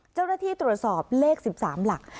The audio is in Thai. เจ้าหน้าที่ตรวจสอบเลข๑๓หลัก